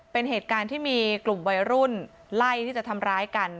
เป็นเหตุการณ์ที่มีกลุ่มวัยรุ่นไล่ที่จะทำร้ายกัน